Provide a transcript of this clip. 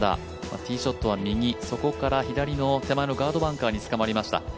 ティーショットは右そこから左の手前のガードバンカーにつかまりました。